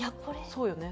そうよね。